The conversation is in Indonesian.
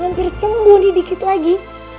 hampir sembuh di dikit lagi